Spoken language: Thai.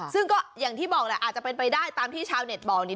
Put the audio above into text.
ซึ่งก็อย่างที่บอกแหละอาจจะเป็นไปได้ตามที่ชาวเน็ตบอก